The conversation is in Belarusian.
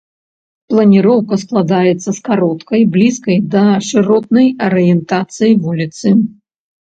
Планіроўка складаецца з кароткай, блізкай да шыротнай арыентацыі вуліцы.